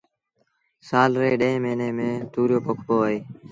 سآل ري ڏهين موهيݩي ميݩ تُوريو پوکبو اهي